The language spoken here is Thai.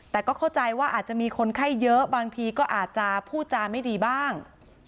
แต่ก็เข้าใจว่าอาจจะมีคนไข้เยอะบางทีก็อาจจะพูดจาไม่ดีบ้าง